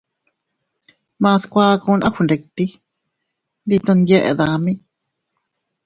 Mas kuakun a fgnditi, ndi ton yeʼe dami.